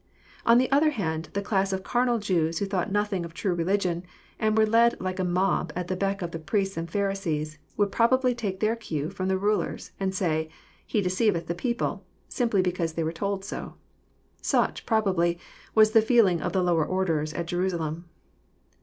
On the other hand, the class of carnal Jews who thought nothing of true religion, and were led like a mob at the beck of the priests and Pharisees, would probably take their cue from the Rulers, and say, «*He deceiveth the people," simply because they were told so. Such, probably, was the feeling yt the lower orders at Jerusalem.